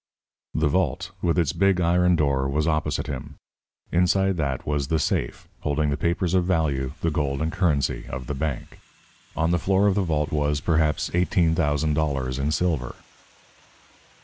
The vault, with its big iron door, was opposite him. Inside that was the safe, holding the papers of value, the gold and currency of the bank. On the floor of the vault was, perhaps, eighteen thousand dollars in silver.